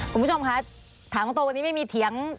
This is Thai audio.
คุณผู้ชมคะถามตรงวันนี้ไม่มีเถียง